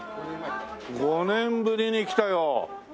５年ぶりに来たよ。